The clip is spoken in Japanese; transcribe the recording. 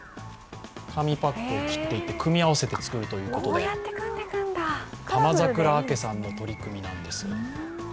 紙パックを切っていって組み合わせて作るということで玉桜ＡＫＥさんの取り組みなんです。